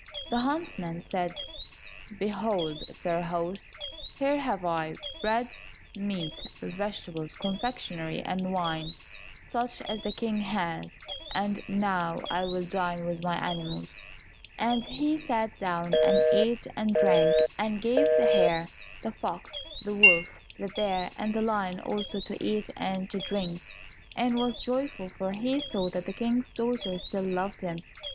The huntsman said, "Behold, sir host, here have I bread, meat, vegetables, confectionery and wine such as the King has, and now I will dine with my animals," and he sat down and ate and drank, and gave the hare, the fox, the wolf, the bear, and the lion also to eat and to drink, and was joyful, for he saw that the King's daughter still loved him.